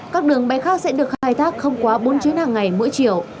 các đường bay khác sẽ được khai thác không quá bốn chuyến hàng ngày mỗi chiều